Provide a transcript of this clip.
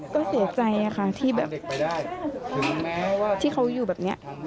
ก็เสียใจค่ะที่แบบที่เขาอยู่แบบนี้